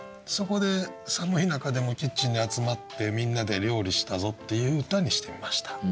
そこで寒い中でもキッチンに集まってみんなで料理したぞっていう歌にしてみました。